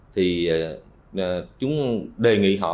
thì chúng đề nghị họ